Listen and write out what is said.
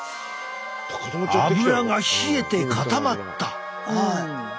アブラが冷えて固まった。